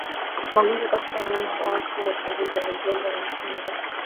magonjwa katika wanyama wafu uchunguzi wa mizoga na kinga